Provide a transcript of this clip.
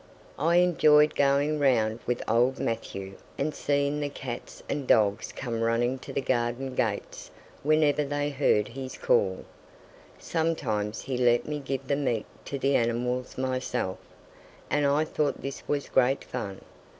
I enjoyed going round with old Matthew and seeing the cats and dogs come running to the garden gates whenever they heard his call. Sometimes he let me give the meat to the animals myself; and I thought this was great fun.